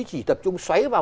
chỉ tập trung xoáy vào